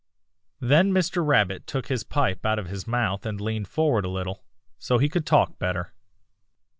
"Then Mr. Rabbit took his pipe out of his mouth and leaned forward a little, so he could talk better.